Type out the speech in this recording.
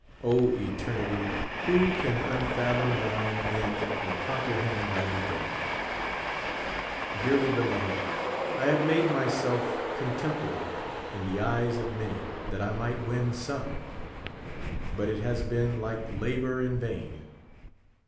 (). eternity, who can unfathom thine end or comprehend thy ])eginning ? Dearly l>eloved, 1 have made myself contemptible in the eyes of many, that I might win some. But it has been like labor in vain.